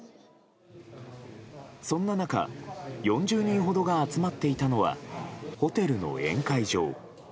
そんな中、４０人ほどが集まっていたのはホテルの宴会場。